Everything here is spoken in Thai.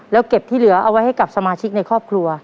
แล้วเก็บที่เหลือเอาไว้ให้กับสมาชิกในครอบครัว